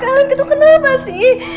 jangan gitu kenapa sih